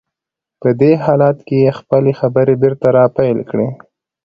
په دې حالت کې يې خپلې خبرې بېرته را پيل کړې.